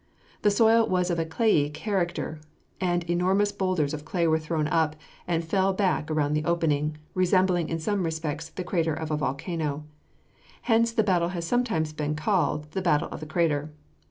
The soil was of a clayey character, and enormous boulders of clay were thrown up and fell back around the opening, resembling in some respects the crater of a volcano; hence the battle has sometimes been called the Battle of the Crater.